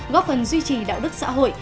góp phần duy trì đạo đức xã hội